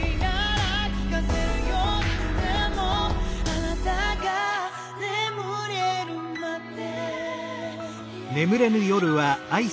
「あなたが眠れるまで」